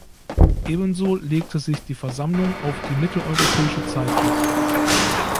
Ebenso legte sich die Versammlung auf die Mitteleuropäische Zeit fest.